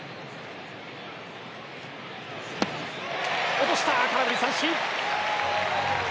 落とした空振り三振！